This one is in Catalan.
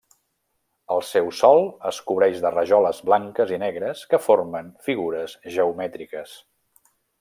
El seu sòl es cobreix de rajoles blanques i negres que formen figures geomètriques.